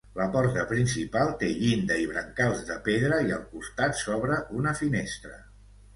La porta principal té llinda i brancals de pedra i al costat s'obre una finestra.